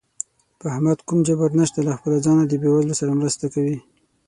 په احمد کوم جبر نشته، له خپله ځانه د بېوزلو سره مرسته کوي.